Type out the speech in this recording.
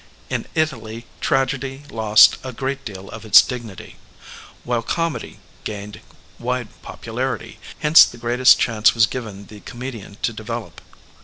In Italy tragedy lost a great deal of its dignity, while comedy gained wide popularity; hence the greatest chance was given the comedian to develop.